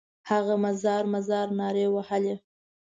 هغه مزار مزار نارې وهلې.